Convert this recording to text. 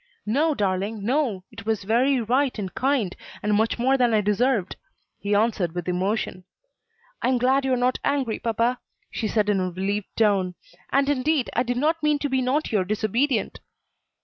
"No, darling, no; it was very right and kind, and much more than I deserved," he answered with emotion. "I am glad you are not angry, papa," she said in a relieved tone, "and, indeed, I did not mean to be naughty or disobedient."